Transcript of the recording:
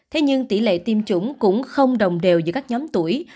thế nhưng tỷ lệ tiêm chủng cũng không đồng đều giữa các nhóm tuổi